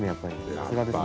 さすがですね。